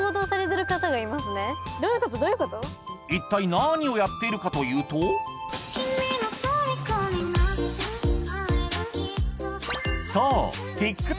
一体何をやっているかというとそうＴｉｋＴｏｋ